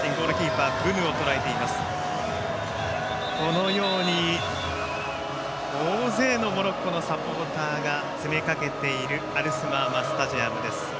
このように大勢のモロッコのサポーターが詰めかけているアルスマーマスタジアムです。